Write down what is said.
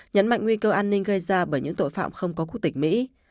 nhấn mạnh nguy cơ an ninh gây ra bởi những tội phạm không có quốc tịch mỹ